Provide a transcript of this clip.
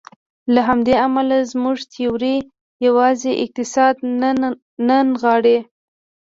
له همدې امله زموږ تیوري یوازې اقتصاد نه نغاړي.